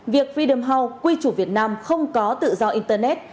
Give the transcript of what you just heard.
việc fidam house quy chủ việt nam không có tự do internet